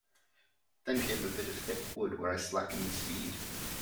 Then came a bit of thick wood where I slackened speed.